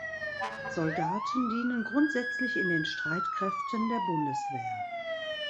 Soldaten dienen grundsätzlich in den Streitkräften der Bundeswehr.